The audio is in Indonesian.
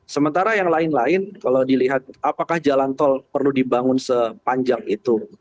sementara yang lain lain kalau dilihat apakah jalan tol perlu dibangun sepanjang itu